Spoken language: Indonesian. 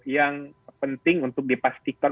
yang penting untuk dipastikan